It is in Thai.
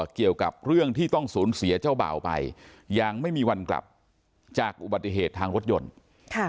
เกี่ยวกับเรื่องที่ต้องสูญเสียเจ้าบ่าวไปยังไม่มีวันกลับจากอุบัติเหตุทางรถยนต์ค่ะ